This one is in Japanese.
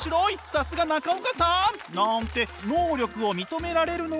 さすが中岡さん！なんて能力を認められるのが自己評価。